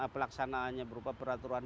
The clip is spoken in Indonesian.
pelaksanaannya berupa peraturan